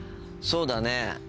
そうだね。